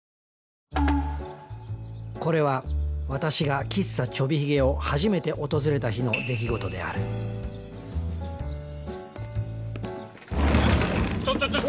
これは私が喫茶チョビヒゲを初めて訪れた日の出来事であるちょちょ